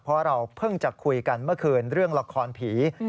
เพราะเราเพิ่งจะคุยกันเมื่อคืนเรื่องละครผี